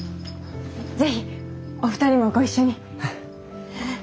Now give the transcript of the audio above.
ぜひお二人もご一緒に。